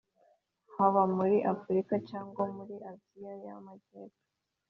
haba muri afurika cyangwa muri aziya y'amajyepfo